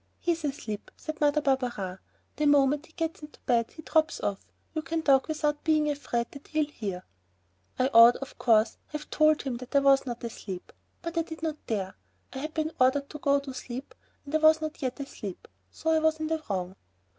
"He's asleep," said Mother Barberin; "the moment he gets into bed he drops off. You can talk without being afraid that he'll hear." I ought, of course, to have told him that I was not asleep, but I did not dare. I had been ordered to go to sleep, I was not yet asleep, so I was in the wrong.